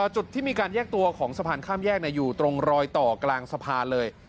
จุดที่มีการแยกตัวของสะพานข้ามแยกอยู่ตรงรอยต่อกลางสะพานเลย